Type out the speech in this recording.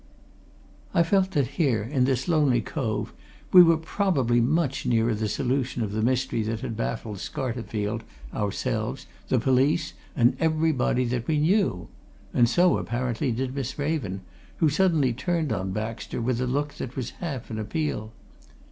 I felt that here, in this lonely cove, we were probably much nearer the solution of the mystery that had baffled Scarterfield, ourselves, the police, and everybody that we knew. And so, apparently, did Miss Raven, who suddenly turned on Baxter with a look that was half an appeal.